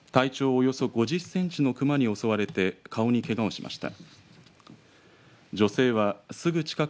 およそ５０センチのクマに襲われて顔にけがをしました。